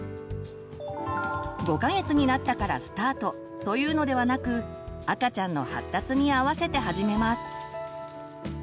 ５か月になったからスタートというのではなく赤ちゃんの発達にあわせて始めます。